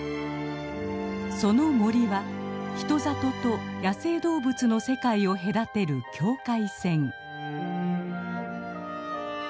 その森は人里と野生動物の世界を隔てる境界線。